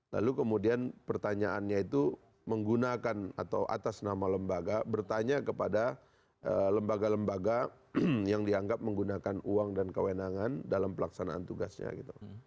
lalu kemudian pertanyaannya itu menggunakan atau atas nama lembaga bertanya kepada lembaga lembaga yang dianggap menggunakan uang dan kewenangan dalam pelaksanaan tugasnya gitu